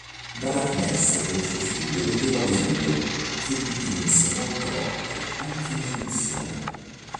Dalla finestra del suo studio vedeva Vesuvio, che dipinse molte volte, anche in eruzione.